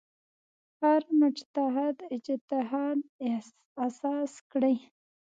هر مجتهد اجتهاد اساس کړی.